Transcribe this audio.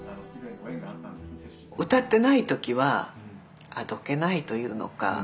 歌ってない時はあどけないというのか。